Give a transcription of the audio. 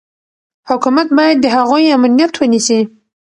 حکومت باید د هغوی امنیت ونیسي.